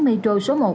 metro số một